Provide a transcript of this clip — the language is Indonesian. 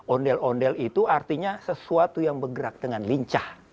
ondel ondel itu artinya sesuatu yang bergerak dengan lincah